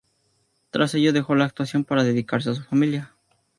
Tras ello, dejó la actuación para dedicarse a su familia.